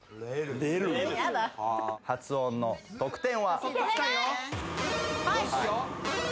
発音の得点は？